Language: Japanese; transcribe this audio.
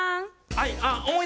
はい。